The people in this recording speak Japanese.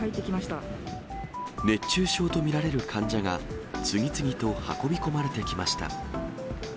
熱中症とみられる患者が、次々と運び込まれてきました。